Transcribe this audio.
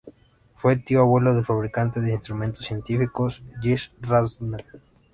Fue tío abuelo del fabricante de instrumentos científicos Jesse Ramsden.